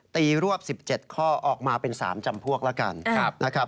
ตีรวบ๑๗ข้อออกมาเป็น๓จำพวกแล้วกัน